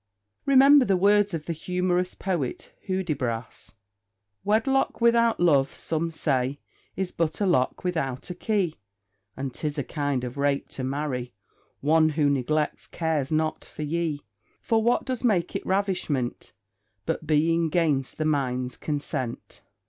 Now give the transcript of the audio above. Remember the words of the humorous poet Hudibras "Wedlock without love, some say, Is but a lock without a key; And 'tis a kind of rape to marry One, who neglects, cares not for ye; For what does make it ravishment, But being 'gainst the mind's consent?"